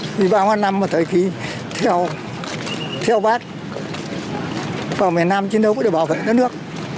vì bao nhiêu năm mà thời kỳ theo bác vào miền nam chứ đâu có thể bảo vệ đất nước